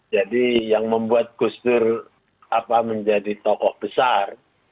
jadi yang membuat gus dur menjadi tokoh besar